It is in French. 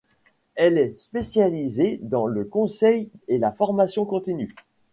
Elle est spécialisée dans le conseil et la formation continue.